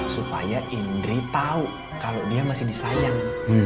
supaya indri tau kalo dia masih disayang